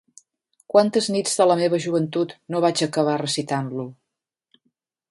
Quantes nits de la meva joventut no vaig acabar recitant-lo.